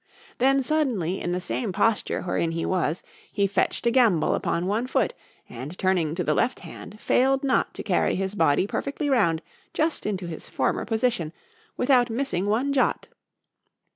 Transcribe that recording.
Then suddenly in the same posture wherein he was, he fetched a gambol upon one foot, and turning to the left hand, failed not to carry his body perfectly round, just into his former position, without missing one jot.